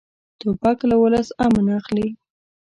توپک له ولس امن اخلي.